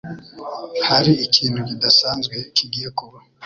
hari ikintu kidasanzwe kigiye kuba,